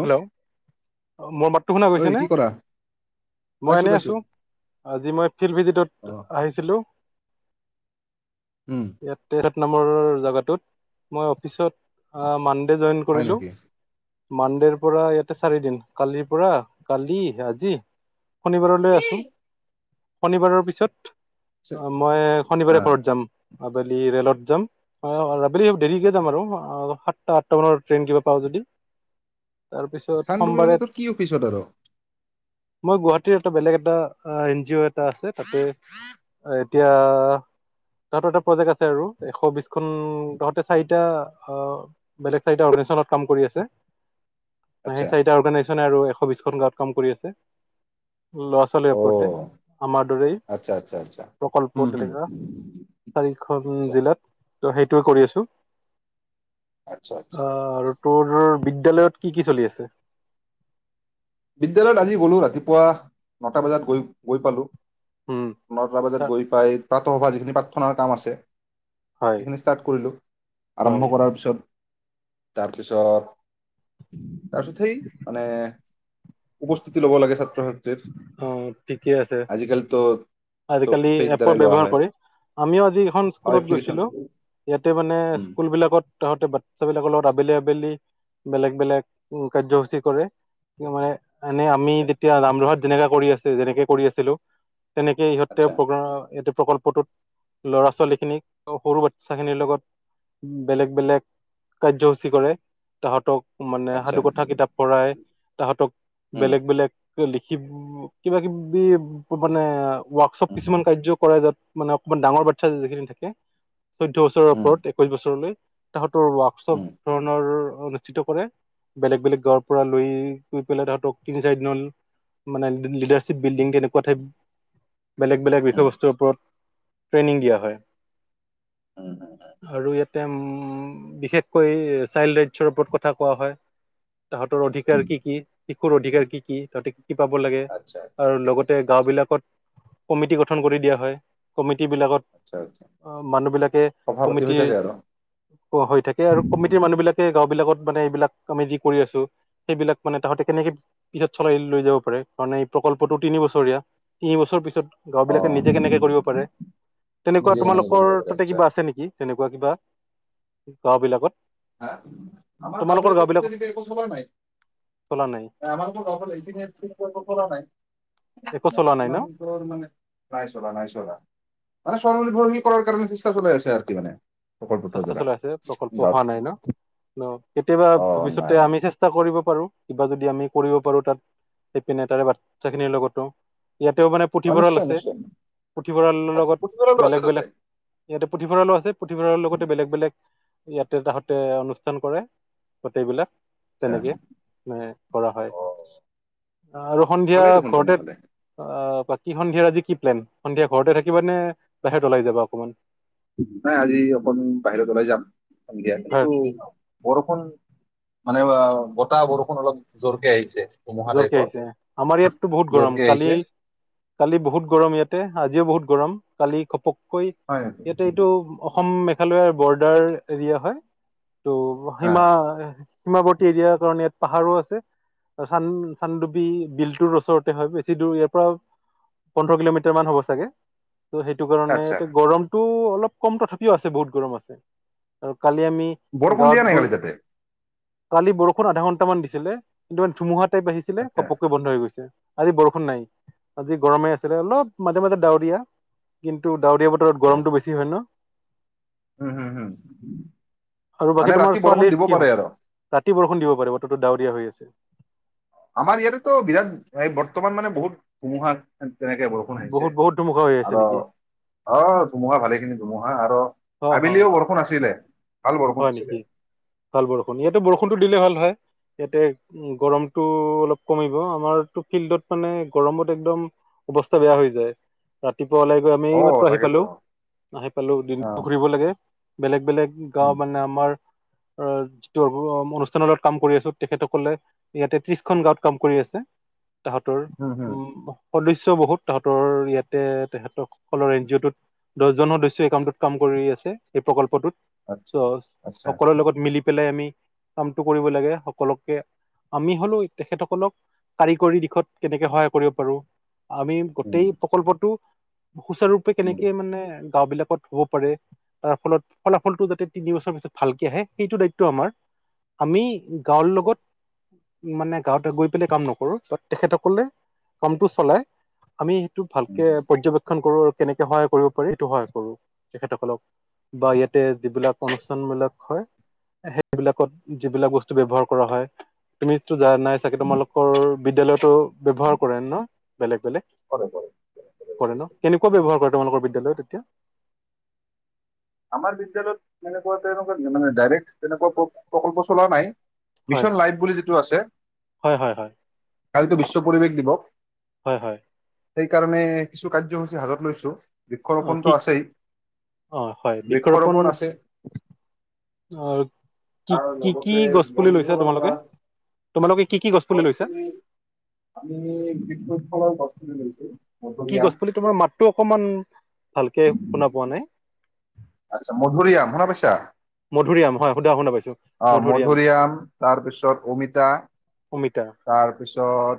Hello, অ' মোৰ মাতটো শুনা ঐ গৈছেনে? কি কৰা? মই পাইছো এনেই পাইছো আছোঁ। আজি মই ফিল্ড ভিজিটত অ' আহিছিলোঁ। উম ইয়াতে নামৰ জাগাটোত। মই অফিচত আ মান জইন হয় কৰিলো। নেকি? মানডেৰ পৰা ইয়াতে চাৰি দিন। কালিৰ পৰা, কালি! আজি শনিবাৰলৈ আছোঁ। শনিবাৰৰ পিছত চে- অ' মই শনিবাৰে আহ, ঘৰত যাম। আবেলি ৰে'লত যাম। আবেলি দেৰিকে যাম আৰু সাতটা-আঠটামানৰ ট্ৰেইন কিবা পাওঁ যদি। তাৰপিছত চানডুবি সোমবাৰে মানে তোৰ কি অফিচত আৰু? মই গুৱাহাটীৰ এটা বেলেগ এটা অ' এনজিঅ এটা আছে তাতে, এতিয়া তাহাঁতৰ এটা প্ৰজেক্ট আছে আৰু এশবিছখন, তাহাঁতে চাৰিটা, বেলেগ চাৰিটা অৰ্গোইজেশনত কাম কৰি আছে। হয় আচ্ছা সেইচাৰিটা অৰ্গেনাইজেচনে আৰু চৌবিছখন গাঁৱত কাম কৰি আছে। ল'ৰা-ছোৱালীৰ ওপৰতে, অ' আমাৰ দৰেই আচ্ছা আচ্ছা আচ্ছা। প্ৰকল্প উম হম তেনেকা চাৰিখন আচ্ছা জিলাত ত' সেইটোৱে কৰি আছো। আচ্ছা আচ্ছা অ' আৰু তোৰ বি তেলেওত কি কি চলি আছে? বিদ্যালয়ত আজি গ'লো ৰাতিপুৱা, নটা বজাত গৈ-গৈ পালো। উম নটা বজাত তা- গৈ পাই প্ৰাতঃসভা যিখিনি প্ৰাৰ্থনাৰ কাম আছে। হয় সেইখিনি ষ্টাৰ্ট কৰিলোঁ, হয় আৰম্ভ কৰাৰ পিছত তাৰপিছত, তাৰপিছত সেই মানে। উপস্থিতি ল'ব লাগে ছাত অ' ঠিকে আছে, আজিকালিতো চব আজিকালি সেই এপৰ দ্বাৰাই লোৱা বব্যৱহাৰ হয় কৰে। আমিও আজি এখন অ' স্কুলত এপ্লিকেশ্যন গৈছিলো, ইয়াতে মানে উম স্কুলবিলাকত তাহাঁতে বাচ্ছাবিলাকৰ লগত আবেলি-আবেলি বেলেগ বেলেগ কাৰ্যসূচী কৰে। মানে এনে আমি তেতিয়া ৰামৰহাত যেনেকা কৰি আছে, যেনেকে কৰি আছিলোঁ তেনেকে ইহঁত তেওঁ আচ্ছা প্ৰ [unintelligible] প্ৰকল্পটোত ল'ৰা-ছোৱালীখিনিক সৰু বাচ্ছাখিনিৰ লগত বেলেগ বেলেগ কাৰ্যসূচী কৰে তাহাঁতক মানে আচ্ছা সাধুকথা কিতাপ পঢ়ায়। তাহাঁতক উম, বেলেগ বেলেগ হিলি কিব, কিবা-কিবি বানে ৱৰ্কশ্বপ উম, উম, কিছুমান কাৰ্যও কৰা যাব মানে অকমান ডাঙৰ বাচ্ছা যিখিনি থাকে। চৈধ্য বছৰৰ উম, ওপৰত একৈশ বছৰলৈ তাহঁত ত ৱৰ্কশ্বপ উম, ধৰণৰ অনুষ্ঠিত কৰে, বেলেগ বেলেগ গাঁৱৰ পৰা লৈ লৈ পেলাই তাহাঁতক তিনি-চাৰিদিনাহন মানে লিডাৰশ্বিপ বিল্ডিং কেনেকুৱা ঠাই বেলেগ বেলেগ উম, বিষয়বস্তুৰ ওপৰত, ট্ৰেইনিং দিয়া হয়। উম, আৰু ইয়াত তে বিশেষকৈ চাইল্ড ৰাইটছৰ ওপৰত কথা কোৱা হয়। তাহাঁতৰ অধিকাৰ উম, কি কি? শিশুৰ অধিকাৰ কি কি? সিহঁতি কি পাব লাগে? আচ্ছা, আচ্ছা, আৰু লগতে গাঁওবিলাকত কমিটি গঠন কৰি দিয়া হয়। কমিটি বিলাকত, আচ্ছা, আচ্ছা, অ' মানুহবিলাকে সভা পাতি হৈ কমিটিৰ, থাকে আৰু। হৈ থাকে আৰু কমিটিৰ মানুহ বিলাকে গাঁওবিলাকত মানে এইবিলাক আমি যি কৰি আছো, সেইবিলাক মানে তাহাঁতে কেনেকে পিছত চলাই লৈ যাব। কাৰণে এই প্ৰকল্পটো তিনি বছৰীয়া। তিনি বছৰ পিছত গাঁওবিলাকে অ', নিজে কেনেকে কৰিব পাৰে? তেনেকুৱা নিজে কেনেকে তোমালোকৰ কৰিব পাৰে তাতে আচ্ছা। কিবা আছে নেকি? তেনেকুৱা কিবা গাঁওবিলাকত আমাৰ গাওঁবিলাকততো তেনেকে একো চলা নাই। চলা নাই আমালোকৰ গাঁওবিলাকত এইপিনে একো চলা নাই একো চলা নাই ন মেক্সিমামটো মানে নাই চলা নাই চলা। মানে স্বৰণীভৰ্মী কৰাৰ কাৰণে চেষ্টা চলাই আছে আৰু মানে প্ৰকল্পটোৰ চেষ্টা দ্বাৰা চলাই আছে প্ৰকল্প গাঁৱত, হোৱা নাই ন? নহ কেতিয়াবা অ', ভৱিষ্যতে নাই, নাই, আমি চেষ্টা কৰিব পাৰো, কিবা যদি আমি কৰিব পাৰো তাত, সেইপিনে তাৰে বাচ্ছাখিনিৰ লগতো ইয়াতেও মানে অ', পুথিভঁৰাল নিশ্চয়, আছে। নিশ্চয়। পুথিভঁৰালৰ আচ্ছা, পুথিভঁৰালো লগত আছে তাতে, বেলেগ-বেলেগ ইয়াতে পুথিভঁৰালো আছে, পুথিভঁৰালৰ লগত ইয়াতে তাহঁতে অনুষ্ঠান কৰে। গোটেইবিলাক আচ্ছা, তেনেকে মে কৰা হয় অ', আৰু সন্ধিয়া ভালেই দেখোন ঘৰতে তেনেহ'লে। আহ বাকী সন্ধিয়াৰ আজি কি প্লেন, সন্ধিয়া ঘৰতে থাকিবা নে বাহিৰত ওলাই যাবা অকণমান। নাই আজি অকন বাহিৰত ওলাই যাম। দিয়াতে তো বাহিৰত বৰষুন মানে অ বতাহ বৰষুণ অলপ জোৰকে আহিছে। ধুমুহা জোৰকে টাইপৰ আহিছে আমাৰ ইয়াততো বহুত গৰম জোৰকে কালি, আহিছে। কালি বহুত গৰম ইয়াতে আজিও বহুত গৰম কালি খপক কৈ হয় নেকি? ইয়াতে এইটো অসম মেক উৱে বৰ্ডাৰ এৰিয়া হয়। টো হা সীমা সীমাৱৰ্তী এৰিয়াৰ কাৰণে ইয়াত পাহাৰো আছে। চান-চানডুবি বিলটোৰ ওচৰতে হয়, বেছি দূৰ ইয়াৰ পৰা পোন্ধৰ কিলোমিটাৰমান হ'ব চাগে। সেইটো কাৰণে আচ্ছা এতে গৰমটো অলপ অলপ কম তথাপিও আছে বহুত গৰম আছে আৰু কালি আমি বৰষুণ গাঁৱত দিয়া নাই গৈ কালি তাতে? কালি বৰষুণ আধা ঘণ্টামান দিছিলে কিন্তু ধুমুহাত তকে বাঢ়িছিলে, আচ্ছা ঘপককৈ বন্ধ হৈ গৈছে। আজি বৰষুণ নাই। আজি গৰমে আছিলে অলপ মাজে মাজে ডাৱৰীয়া কিন্তু ডাউৰীয়া বতৰত আচ্ছা গৰমটো বেছি হয় ন। উম হুম হুম। আৰু মানে বাকী ৰাতি তোমাৰ বৰষুণ ছোৱালীৰ দিব কি পাৰে হ'ল? আৰু ৰাতি বৰষুণ দিব পাৰিব, বতৰটো ডাৱৰীয়া হৈ আছে। আমাৰ ইয়াতেতো বিৰাট এই বৰ্তমান মানে বহুত ধুমুহা তেনেকে বৰষুণ আহিছে বহুত বহুত ধুমুহা হৈ আছে আৰু অ নেকি অ ধুমুহা ভালেখিনি ধুমুহা কোৱা আৰু অ অ আবেলিও বৰষুণ আছিলে। ভাল বৰষুণ হয় আছিলে নেকি? ভাল বৰষুণ, ইয়াতে বৰষুণটো দিলে ভাল হয়। ইয়াতে গৰমটো অলপ কমিব। আমাৰতো ফিল্ডত মানে গৰমত একদম অৱস্থা বেয়া হৈ যায়। ৰাতি পুৱা ওলাই গৈ আমি অ এইমাত্ৰ আহি তাকেতো পালো। আহি পালো, অ দিনটো ঘুৰিব লাগে বেলেগ-বেলেগ অ উম মানে আমাৰ অ যিটো অ-অনুষ্ঠানত কাম কৰি আছো তেখেতসকলে এয়া তেত্ৰিশখন গাঁৱত কাম কৰি আছে। তাহাঁতৰ হুম হুম। উম সদস্য বহুত তাহাঁতৰ ইয়াতে তেহেতৰসকলৰ এন জি অ' টোত। দহজন সদস্য এই কামটোত কাম কৰি আছে এই প্ৰকল্পটোত। আচ্ছা ত' আচ্ছা। সকলোৰে লগত মিলি পেলাই আমি কামটো কৰিব লাগে সকলোকে, আমি হলোঁ তেখেতসকলক কাৰিকৰী দিশত কেনেকে সহায় কৰিব পাৰোঁ? আমি হুম, গোটেই প্ৰকল্পটো সুচাৰুৰূপে হুম, কেনেকে মানে গাঁওবিলাকত হ'ব পাৰে। তাৰ ফলত ফলাফলটো যাতে তিনিবছৰ পিছত ভালকে আহে সেইটো দায়িত্ব আমাৰ। আমি গাঁৱৰ লগত। মানে গাঁৱতে গৈ পেলাই কাম নকৰো। ত তেখেতসকলে কামটো চলাই আমি সেইটো ভালকে হুম, পৰ্যবেক্ষণ কৰো আৰু কেনেকে সহায় কৰিব পাৰি সেইটো সহায় কৰো তেখেতসকলক বা ইয়াতে হয়, অনুষ্ঠানবিলাক হয়। সেইবিলাকত যিবিলাক বস্তু ব্যৱহাৰ কৰা হয়, তুমি টো জানাই চাগে তোমালোকৰ বিদ্যালয়তো ব্যৱহাৰ কৰে ন বেলেগ বেলেগ? কৰে কৰে কৰে ন? কেনেকুৱা ব্যৱহাৰ কৰে তোমালোকৰ বিদ্যালয়ত এতিয়া? আমাৰ বিদ্যালয়ত তেনেকুৱা, তেনেকুৱা মানে ডাইৰেক্ট তেনেকুৱা প্ৰকল্প চলোৱা নাই। হয় মিছন লাইফ বুলি যি টো আছে। হয় হয় হয় কালিতো বিশ্ব পৰিৱেশ দিৱস। হয় হয় সেইকাৰণে কিছু কাৰ্যসূচী হাতত লৈছোঁ। অ কি বৃক্ষৰোপণটো আছেই। অ হয় বৃক্ষৰোপণ, অ' কি আৰু কি কি লগতে গছ পুলি বন লৈছা বিভাগৰ পৰা, তোমালোকে তোমালোকে কি কি গছ পুলি লৈছা গছপুলি আমি বিশুৎ ফলৰ গছ লৈছে কি গছপুলি তোমাৰ মাতটো অকমান, ভালকে কে শুনা পোৱা নাই? আচ্ছা মধুৰিআম শুনা পাইছা? মধুৰিআম হয় সুধা শুনা পাইছো অ' মধুৰিআম, তাৰপিছত অমিতা, অমিতা তাৰপিছত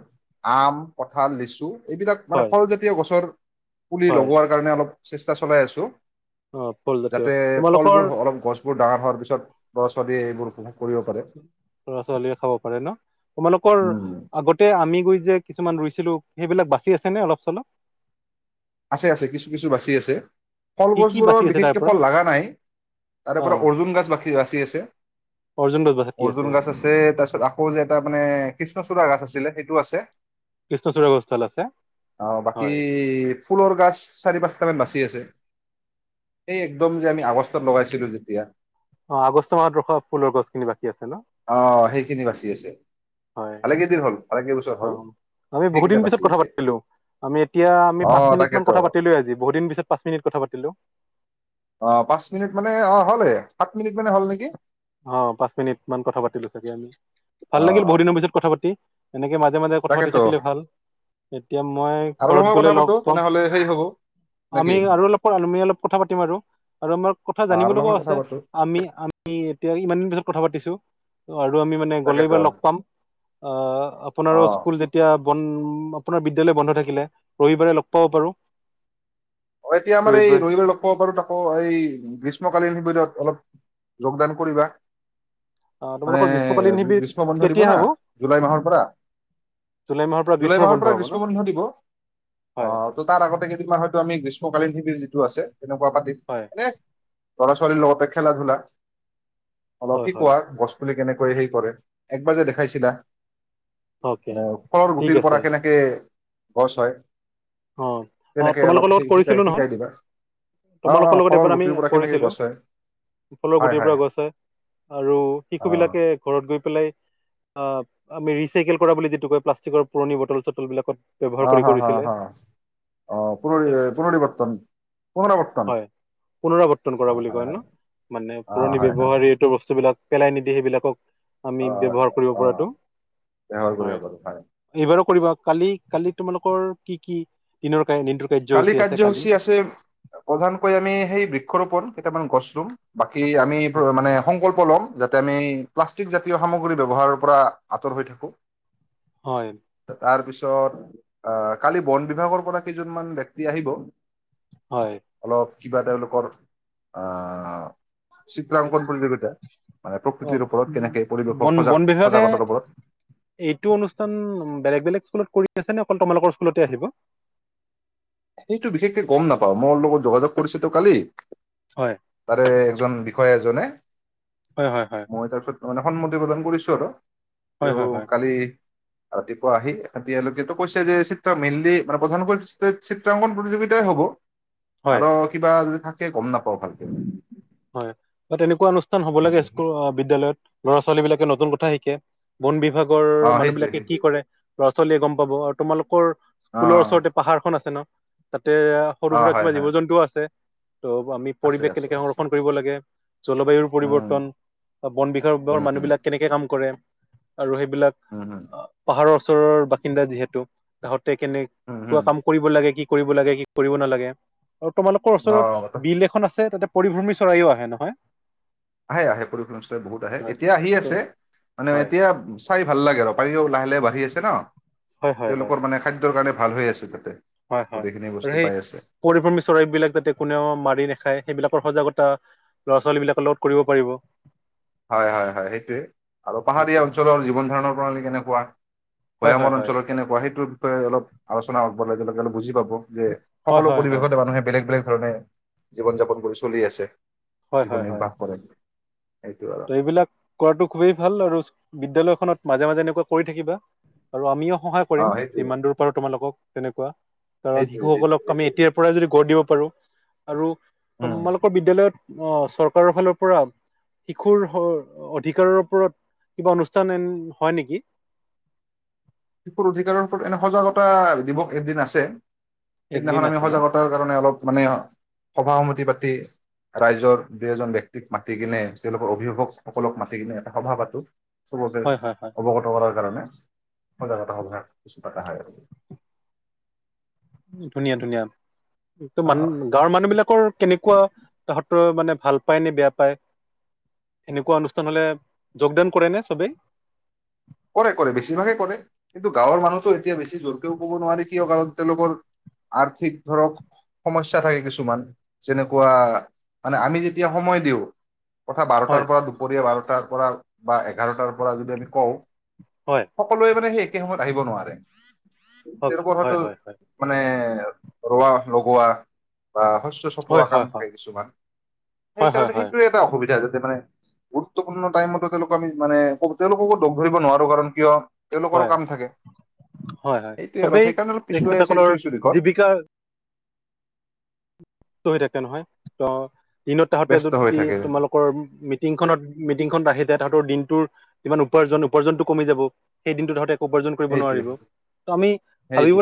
আম, কঁঠাল, লিচু এইবিলাক মানে হয় ফলজাতীয় গছৰ পুলি হয় লগোৱাৰ কাৰণে অলপ চেষ্টা চলাই আছোঁ। অ ফলজাতীয় যাতে তোমালোকৰ ফলবোৰ অলপ গছবোৰ ডাঙাৰ হোৱাৰ পিছত ল'ৰা -ছোৱালীয়ে এইবোৰ উপভোগ কৰিব পাৰে। লৰা-ছোৱালীয়ে খাব পাৰে ন? তোমালোকৰ আগতে আমি গৈ যে কিছুমান ৰুইছিলো সেইবিলাক বাচি আছে নে অলপ চলপ? আছে - আছে। কিছু - কিছু বাচি আছে। ফল কি কি গছবোৰৰ বাচি আছে তাৰ বিশেষকে পৰা ফল লগা নাই। তাৰে অ পৰা অৰ্জুন গছ বাকী- বাচি আছে। অৰ্জুন গছ বাচি অৰ্জুন গছ আছে। তাৰপিছত আকৌ যে এটা মানে কৃষ্ণচূড়া গছ আছিলে, সেইটো আছে। কৃষ্ণচূড়া গছ ডাল আছে। হয় পাঁচ চাৰি পাঁচটা মান বাচি আছে। একদম যে আমি আগষ্টত লগাইছিলো যেতিয়া অ 'আগষ্ট মাহত ৰখা ফুলৰ গছখিনি বাকী ন অ সেইখিনি বাচি আছে। হয় ভালেকেইদিন হ'ল ভালেকেইবছৰ হ'ল অ' আমি বহুত সেইকেইটা দিন পিছত বাচি কথা আছে পাতিলো। আমি এতিয়া আমি অ পাঁচ মিনিট মান তাকেতো কথা পাতিলোয়ে আজি বহুত দিন পিছত পাঁচ মিনিট কথা পাতিলো। অ' পাঁচ মিনিট মানে অ' হ'লে সাত মিনিট মানে হল নেকি! অ' পাঁচ মিনিট মান কথা পাতিলো চাগে আমি। ভাল অ লাগিল বহুত দিনৰ পিছত কথা পাতি। এনেকে মাজে মাজে -মাজে কথা পাতি তাকেতো থাকিলে ভাল। এতিয়া মই আৰু অলপ ঘৰত সময় গ'লে কথা লগ পাতো পাম তেনেহ'লে সেই হ'ব আমি নেকি আৰু অলপ অলপ কথা পাতিম আৰু আৰু আমাৰ কথা অ জানিব আৰু অলপ লগাও সময় আছে। কথা পাতো আমি পিছত কথা পাতিছো। আৰু আমি মানে তাকেতো গ'লেইবাৰ লগ পাম অ' অ আপোনাৰো স্কুল যেতিয়া বন্ধ আপোনাৰ বিদ্যালয় বন্ধ থাকিলে ৰবিবাৰে লগ পাব পাৰো। অ 'এতিয়া আমাৰ এই ৰবিবাৰ ৰবিবাৰে লগ পাব পাৰো ততাকো এই গ্ৰীষ্মকালীন শিবিৰত। অলপ যোগদান কৰিবা। আহ মানে তোমালোকৰ গ্ৰীষ্মকালীন শিবিৰ গ্ৰীষ্ম বন্ধ দিব কেতিয়া না হ'ব জুলাই মাহৰ পৰা জুলাই মাহৰ পৰা জুলাই গ্ৰীষ্মৰ মাহৰ বন্ধ পৰা হ'ব ন গ্ৰীষ্ম বন্ধ দিব হয় অহ ত তাৰ আগতে কেইদিনমান হয়তো আমি গ্ৰীষ্ম সমকালীন শিবিৰ যিটো আছে। তেনেকুৱা পাতিম হয় এনে। লৰা-ছোৱালীৰ লগতে খেলা ধূলা। অলপ হয় কি কোৱা হয় গছ পুলি কেনেকে সেই কৰে একবাৰ যে দেখাইছিলা অকে মানে ফলৰ ঠিক গুটিৰ আছে পৰা কেনেকে বছ হয়। অ'। অ', তেনেকে অলপ তোমালোকৰ লগত শ কৰিছ শিকাই লো নহয়। শিকাই দিবা অ অ তোমালোকৰ লগত ফলৰ এবাৰ আমি গুটিৰ পৰা কেনেকে কৰিছিলোঁ। গছ হয় ফলৰ গুটিৰ পৰা গছ হয় আৰু অ শিশুবিলাকে ঘৰত গৈ পেলাই অ' আমি ৰিচাইকেল কৰা বুলি যিটো কয়, প্লাষ্টিকৰ পুৰণি বটল-চটল বিলাকত ব্যৱহাৰ অ কৰি হ হ কৰিছিলে। হ অ পুনৰ পুনৰিৱৰ্তন পুনৰাৱৰ্তন হয় পুনৰাৱৰ্তন কৰা অ বুলি হয় কয় ন? হয় মানে অ পুৰণি হয় হয় ব্যৱহাৰী এইটো বস্তুবিলাক পেলাই নিদিয়ে সেইবিলাকক? আমি অ ব্যৱহাৰ কৰিব অ পৰাটো ব্যৱহাৰ কৰিব হয় পাৰো এইবাৰো কৰিবা। কালি কালি তোমালোকৰ কি কি দিনৰ কা দিনটোৰ কালি কাৰ্যসূচী আছে কালি কাৰ্যসূচী আছে প্ৰধানকৈ আমি সেই বৃক্ষৰোপন। কেইটামান গছ ৰুম বাকী কি আমি হ মানে সংকল্প ল'ম। যাতে আমি প্লাষ্টিক জাতীয় সামগ্ৰী ব্যৱহাৰৰ পৰা আঁতৰ হৈ থাকোঁ। হয় তাৰপিছত অ কালি বন বিভাগৰ পৰা কেইজন মান ব্যক্তি আহিব। হয়। অলপ কিবা তেওঁলোকৰ আহ্ চিত্ৰাংকন প্ৰতিযোগিতা। মানে অ প্ৰকৃতিৰ ওপৰত কেনেকে বন পৰিৱেশক সজাগ বন বিভাগে সজাগতাৰ ওপৰত এইটো অনুষ্ঠান বেলেগ বেলেগ স্কুলত কৰি আছ নে অকল তোমালোকৰ স্কুলতে আহিব। সেইটো বিশেষকে গম নাপাও মোৰ লগত যোগাযোগ কৰিছে তো কালি। হয় তাৰে একজন বি হয় এজনে। হয় হয় হয়। মই তাৰপিছত মানে সন্মতি প্ৰদান কৰিছো আৰু। হয় হয় তেওঁ হয় কালি ৰাতিপুৱা আহি এতিয়ালৈকেতো কৈছে যে চিত্ৰ মেইনলি মানে প্ৰধানকৈ চিত্ৰাংকন প্ৰতিযোগিতাই হ'ব। হয় আৰু কিবা যদি থাক কে গম নাপাওঁ ভালকে হয় বা তেনেকুৱা অনুষ্ঠ নুষ্ঠান হ'ব লাগে সেইটো স্কুল অ বিদ্যালয়ত ল'ৰা ছোৱালী বিলাকে নতুন ঠা শিকে বন বিভাগ গৰ অ মানুহ সেইটোৱে বিলাকে কি সেইটোৱে কৰে। ল'ৰা ছোৱালীয়ে গম পাব আৰু তোমালোকৰ স্কুলৰ অ ওচৰতে পাহাৰ খন আছে ন। তে সৰু অ সুৰা হয় কিবা জীৱ হয় জন্তুও আছে। ত' আমি আছে পৰিৱেশ আছে কেনেকে সংৰ আছে ক্ষণ কৰিব লাগে জলবায়ুৰ উম পৰিৱৰ্তন। বন বিভাগৰ উম মানুহ হম বিলাক কেনেকে কাম কৰে। আৰু সেইবিলাক উম হম পাহাৰৰ ওচৰৰ বাসিন্দা যিহেতু তাহত তে উম কেনেকোৱা হম কাম কৰিব লাগে কি কৰিব লাগে কি কৰিব নালাগে। আৰু তোমালোকৰ অ ওচৰত বিল এখন আছে তাতে পৰিভ্ৰমী চৰাইও আহে নহয়? আহে আহে পৰিভ্ৰমী চৰাই বহুত আহে এতিয়া আহি আছে, মানে হয় এতিয়া চাই ভাল লাগে আৰু পাৰি লাহ ফালে বাঢ়ি আছে ন? হয় হয় হয় তেওঁলোকৰ মানে খাদ্যৰ কাৰণে ভাল হৈ আছিলো। হয় হয়, আৰু সেই পৰিভ্ৰমী চৰাইবিলাক যাতে কোনেও মাৰি নাখায় সেইবিলাকৰ সজাগত তো ল'ৰা-ছোৱালীবিলাকৰ লগত কৰিব পাৰিব। হয় হয় হয় সেইটোৱে, আৰু পাহাৰীয়া সেইটোৱে অঞ্চলৰ জীৱন- ধাৰণৰ প্ৰণালী কেনেকুৱা? হয় ভৈয়ামৰ হয় হয় অঞ্চলৰ কেনেকুৱা, সেইটোৰ বিষয়ে অলপ আলোচনা হব [unintelligible] বুজি পাব। যে হয় সকলো হয় হয় পৰিৱেশতে মানুহে বেলেগ বেলেগ ধৰণে জীৱন-যাপন কৰি চলি আছে। জীৱন নিৰ্বাহ কৰে। সেইটো আৰু তো এইবিলাক কৰাটো খুবেই ভাল আৰু স্কু- বিদ্যালয়খনত মাজে মাজে এনেকুৱা কৰি থাকিবা আৰু আমিও সহায় অ কৰিম সেইটোৱে যিমান দূৰ পাৰো তোমালোকক তেনেকুৱা কাৰণ সেইটোৱে সেইটোৱে শিশুসকলক আমি সেইটোৱে। এতিয়াৰ পৰাই যদি গঢ় দিব পাৰোঁ। আৰু উম। তোমালোকৰ বিদ্যালয়ত অ' চৰকাৰৰ ফালৰ পৰা শিশুৰ-হোৰ অধিকাৰৰ ওপৰত কিবা অনুষ্ঠান এন হয় নেকি? শিশুৰ অধিকাৰৰ ওপৰত এনে সজাগতা দিৱস এদিন আছে। একদিন সেইদিনাখন আমি আছে ন সজাগতাৰ কাৰণে অলপ মানে, সভা-সমিতি পাতি তে ৰাইজৰ দুই-এজন ব্যক্তিক মাতিকেনে, তেওঁলোকৰ অভিভাৱকসকলক মাতিকেনে এটা সভা পাতোঁ। চবচে হয় হয় হয় অৱগত কৰাৰ কাৰণে। সজাগতা সভাৰ কিছু পাতা হয় আৰু। ধুনীয়া ধুনীয়া। অ ত-মান গাঁৱৰ মানুহবিলাকৰ কেনেকুৱা, তাহাঁতৰ মানে ভাল পায় নে বেয়া পায়। এনেকুৱা অনুষ্ঠান হ'লে যোগদান কৰে নে চবেই? কৰে কৰে বেছিভাগে কৰে, কিন্তু গাঁৱৰ মানুহতো এতিয়া বেছি জোৰকেও ক'ব নোৱাৰি কিয় কাৰণ তেওঁলোকৰ, আৰ্থিক ধৰক সমস্যা থাকে কিছুমান, যেনেকুৱা মানে আমি যেতিয়া সময় দিওঁ। তথা বাৰটাৰ হয় পৰা দুপৰীয়া বাৰ [unintelligible] টাৰ পৰা বা এঘাৰটাৰ পৰা যদি আমি কওঁ হয় সকলোৱে মানে শেষ। একেই সময়ত আহিব নোৱাৰে। হয় তেওঁলোকৰ হয়তো হয় হয় হয় মানে ৰুৱা লগোৱা বা শস্য চপোৱা হয় কাম হয় হয় থাকে। কিছুমান হয় হয় সেইকাৰণে হয় সেইটোয়ে এটা অসুবিধা যে, মানে গুৰুত্বপূৰ্ণ টাইম তেওঁলোক আমি মানে তেওঁলোকক ঘূৰিব নোৱাৰো কাৰণ কিয়? তেওঁলোকৰো কাম থাকে হয়-হয়-হয় সেইটোৱে অলপ চবেই সেইকাৰণে অলপ পিছুৱাই আছে কিছু তেখেতসকলৰ কিছু দিশত জীৱিকা তাতে নহয় ত দিন তাহতে ব্যস্ত হৈ যদি থাকে তোমালোকৰ মিটিংখনত মিটিংখনত আহি এতিয়া তাহাঁতৰ দিনটোৰ যিমান উপাৰ্জন উপাৰ্জনটো কমি যাব সেই দিনটোত তাহাঁতে উপাৰ্জন কৰিব সেইটোৱে নোৱাৰিব ত আমি ভাব সেইটোৱে